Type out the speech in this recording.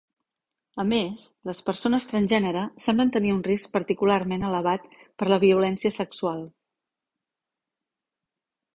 A més, les persones transgènere semblen tenir un risc particularment elevat per la violència sexual.